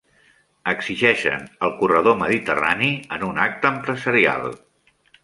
Exigeixen el corredor mediterrani en un acte empresarial